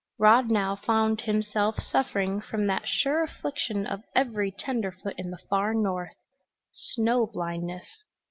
Rod now found himself suffering from that sure affliction of every tenderfoot in the far North snow blindness.